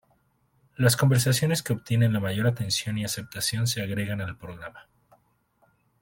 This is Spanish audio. Las conversaciones que obtienen la mayor atención y aceptación se agregan al programa.